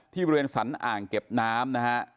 ที่บริเวณสรรงก์อ่างเก็บน้ำ